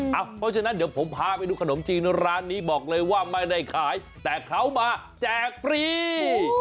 เพราะฉะนั้นเดี๋ยวผมพาไปดูขนมจีนร้านนี้บอกเลยว่าไม่ได้ขายแต่เขามาแจกฟรี